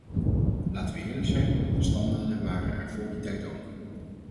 Laten we eerlijk zijn: standaarden waren er vóór die tijd ook.